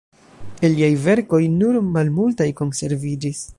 El liaj verkoj nur malmultaj konserviĝis.